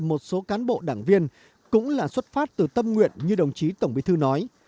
một số cán bộ đảng viên cũng là xuất phát từ tâm nguyện như đồng chí tổng bí thư nói